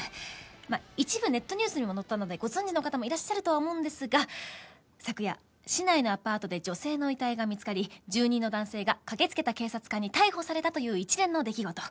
まあ一部ネットニュースにも載ったのでご存じの方もいらっしゃると思うんですが昨夜市内のアパートで女性の遺体が見つかり住人の男性が駆けつけた警察官に逮捕されたという一連の出来事。